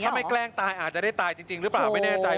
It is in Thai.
ถ้าไม่แกล้งตายอาจจะได้ตายจริงหรือเปล่าไม่แน่ใจ